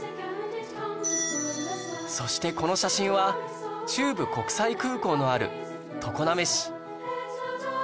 そしてこの写真は中部国際空港のある常滑市